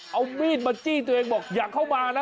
เอามีดมาจี้ตัวเองบอกอย่าเข้ามานะ